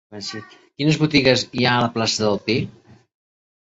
Quines botigues hi ha a la plaça del Pi?